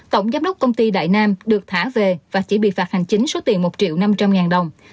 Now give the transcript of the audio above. tổng giám đốc công ty đại nam được thả về và chỉ bị phạt hành chính số tiền một triệu năm trăm linh ngàn đồng